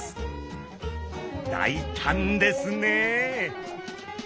大胆ですね。